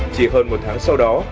chỉ hơn một tháng sau đó